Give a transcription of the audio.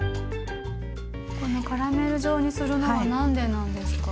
このカラメル状にするのは何でなんですか？